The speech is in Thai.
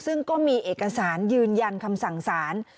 ซึ่งก็มีเอกสารยืนยันคำสั่งสาร